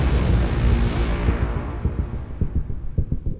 kalau dia mau ikut saya pergi